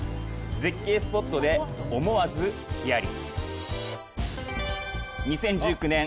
絶景スポットで思わずヒヤリ。